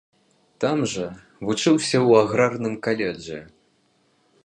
Там жа вучыўся ў аграрным каледжы.